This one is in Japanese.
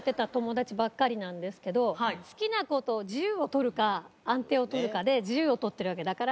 好きな事自由を取るか安定を取るかで自由を取ってるわけだから。